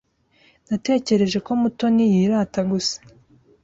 Natekereje ko Mutoni yirata gusa.